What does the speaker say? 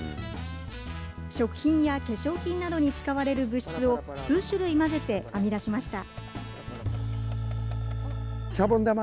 食品や化粧品などに使われる物質を数種類混ぜて編み出しました。